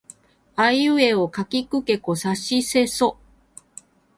あいうえおかきくけこさしせそ